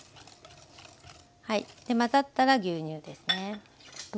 で混ざったら牛乳ですね。